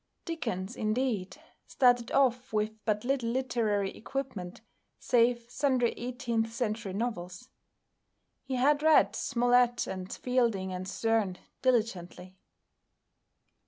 Dickens, indeed, started off with but little literary equipment save sundry eighteenth century novels. He had read Smollett, and Fielding, and Sterne, diligently.